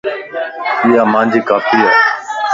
ايا مان جي کاپي ا